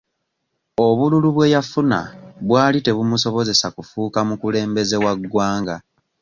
Obululu bwe yafuna bwali tebumusobozesa kufuuka mukulembeze wa ggwanga.